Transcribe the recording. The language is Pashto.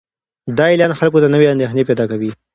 دا اعلان خلکو ته نوې اندېښنې پیدا کوي.